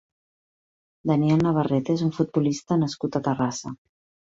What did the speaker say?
Daniel Navarrete és un futbolista nascut a Terrassa.